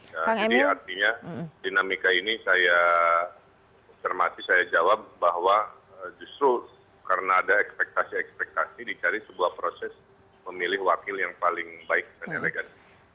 jadi artinya dinamika ini saya informasi saya jawab bahwa justru karena ada ekspektasi ekspektasi dicari sebuah proses memilih wakil yang paling baik dan elegan